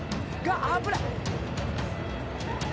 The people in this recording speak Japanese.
危ない！